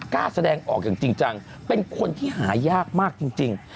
กล้าแสดงออกอย่างจริงจังเป็นคนที่หายากมากจริง